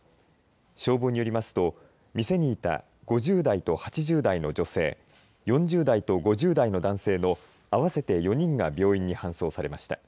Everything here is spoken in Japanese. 消防によりますと店にいた５０代と８０代の女性４０代と５０代の男性の合わせて４人が病院に搬送されました。